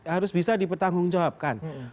harus bisa dipertanggungjawabkan